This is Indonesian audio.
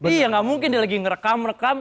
iya gak mungkin dia lagi ngerekam rekam